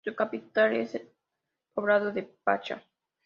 Su capital es el poblado de "Paccha".